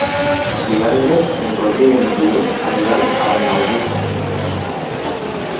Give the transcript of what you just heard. Divendres en Roger i en Gil aniran a Banyalbufar.